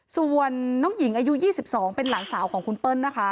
ส่วนน้องหญิงอายุ๒๒เป็นหลานสาวของคุณเปิ้ลนะคะ